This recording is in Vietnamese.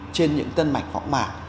trên những tân mạch phóng mạc